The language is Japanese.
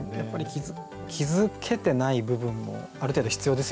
気付けてない部分もある程度必要ですよね。